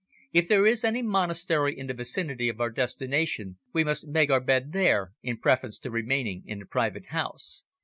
If there is any monastery in the vicinity of our destination we must beg our bed there, in preference to remaining in a private house.